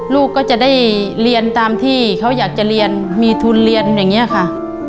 ลูกก็จะได้เรียนตามที่เขาอยากจะเรียนมีทุนเรียนอย่างนี้ค่ะ